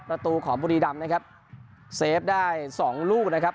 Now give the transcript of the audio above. ประตูของบุรีดำนะครับเซฟได้สองลูกนะครับ